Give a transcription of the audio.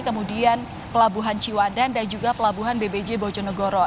kemudian pelabuhan ciwandan dan juga pelabuhan bbj bojonegoro